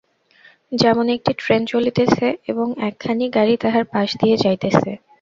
যেমন একটি ট্রেন চলিতেছে এবং একখানি গাড়ী তাহার পাশ দিয়া যাইতেছে।